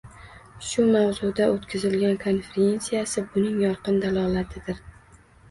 Shu mavzusida oʻtkazilgan konferensiyasi buning yorqin dalolatidir